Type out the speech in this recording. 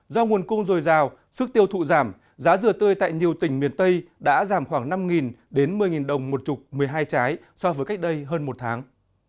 do nguồn cung dồi dào sức tiêu thụ giảm giá dừa tươi tại nhiều tỉnh miền tây đã giảm khoảng năm một mươi đồng một chục một mươi hai trái so với cách đây hơn một tháng